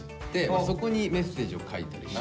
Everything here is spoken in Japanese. そこにメッセージを書いたりして。